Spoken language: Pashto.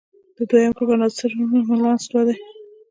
د دویم ګروپ د عنصرونو ولانس دوه دی.